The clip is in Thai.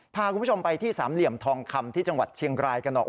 พาคุณผู้ชมไปที่สามเหลี่ยมทองคำที่จังหวัดเชียงรายกันหน่อย